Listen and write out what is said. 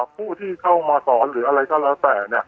ผู้ที่เข้ามาสอนหรืออะไรก็แล้วแต่